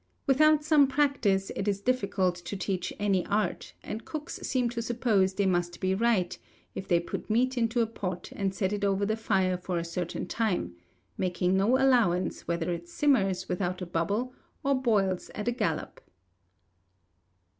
Without some practice it is difficult to teach any art; and cooks seem to suppose they must be right, if they put meat into a pot, and set it over the fire for a certain time making no allowance, whether it simmers without a bubble, or boils at a gallop.